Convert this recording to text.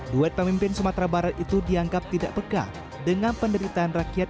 duet pemimpin sumatera barat itu dianggap tidak peka dengan penderitaan rakyat